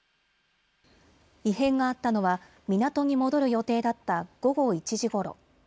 異変があったのは港に戻る予定だった午後１時ごろ。